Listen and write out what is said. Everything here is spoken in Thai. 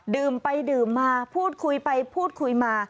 ดื่มไปดื่มมาพูดคุยไปพูดคุยมา